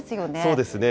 そうですね。